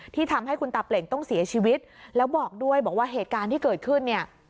ทำให้คุณตาเปล่งต้องเสียชีวิตแล้วบอกด้วยบอกว่าเหตุการณ์ที่เกิดขึ้นเนี่ย